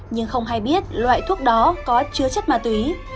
nhưng không hay biết loại thuốc đó có chứa chất ma túy